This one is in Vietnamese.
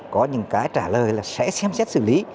có những cái trả lời là sẽ xem xét xử lý